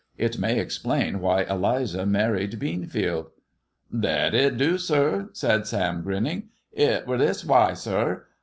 It may explain why Eliza married Beanfield." " Thet it do, sir," said Sam, grinning. " It were this waiy, sir.